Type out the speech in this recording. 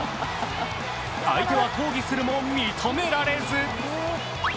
相手は抗議するも認められず。